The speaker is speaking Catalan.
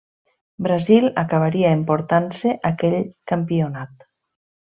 Brasil acabaria emportant-se aquell campionat.